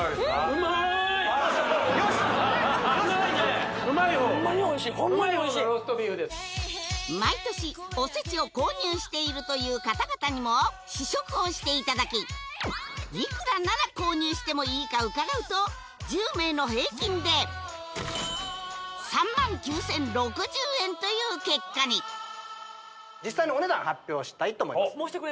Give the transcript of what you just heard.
うまいねうまいよ！ホンマにおいしいホンマにおいしい毎年おせちを購入しているという方々にも試食をしていただきいくらなら購入してもいいかうかがうと１０名の平均で３万９０６０円という結果に実際のお値段発表したいと思います